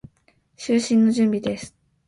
就寝の準備です。